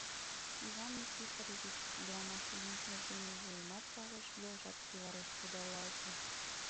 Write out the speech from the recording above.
— Иван Никифорович... — ӱдырамаш лӱдмыж дене вуйымат савыш, йолжат кӱвареш пудалалте.